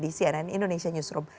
di cnn indonesia newsroom